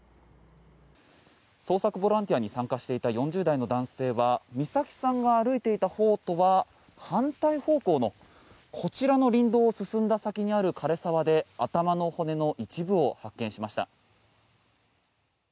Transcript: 捜索ボランティアに参加していた４０代の男性は美咲さんが歩いていたほうとは反対方向のこちらの林道を進んだ先にある枯れ沢で頭の骨の一部を発見しました。